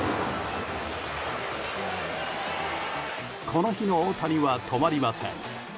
この日の大谷は止まりません。